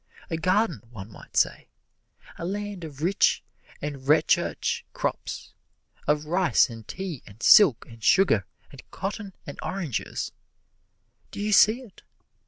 A garden one might say a land of rich and recherche crops, of rice and tea and silk and sugar and cotton and oranges; Do you see it?